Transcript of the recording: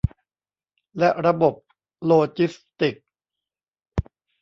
และระบบโลจิสติกส์